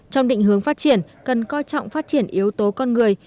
trong định hướng phát triển cần coi trọng phát triển yếu tố con người